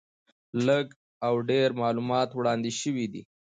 لږ او ډېر معلومات وړاندې شوي دي.